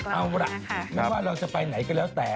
เอาล่ะไม่ว่าเราจะไปไหนก็แล้วแต่